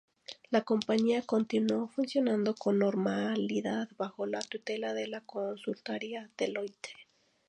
La compañía continuó funcionando con normalidad bajo la tutela de la consultoría Deloitte.